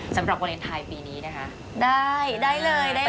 สำหรับบริเวณไทยปีนี้นะคะได้ได้เลยได้เลยค่ะ